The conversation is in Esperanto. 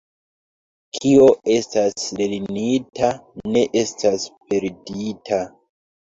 Kio estas lernita, ne estas perdita.